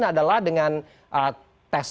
adalah dengan tes